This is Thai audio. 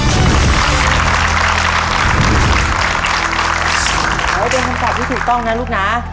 เอาไว้เป็นธรรมดาที่ถูกต้องนะลูกน้า